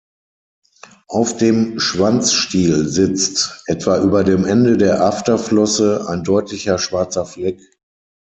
Auf dem Schwanzstiel sitzt, etwa über dem Ende der Afterflosse, ein deutlicher schwarzer Fleck.